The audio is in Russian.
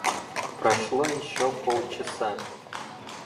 Прошло еще полчаса.